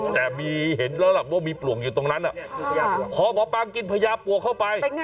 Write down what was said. แต่มีเห็นแล้วล่ะว่ามีปลวกอยู่ตรงนั้นพอหมอปลากินพญาปลวกเข้าไป